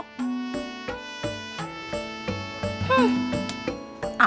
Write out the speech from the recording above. tis ini dia